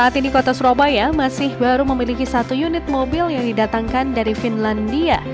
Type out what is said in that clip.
saat ini kota surabaya masih baru memiliki satu unit mobil yang didatangkan dari finlandia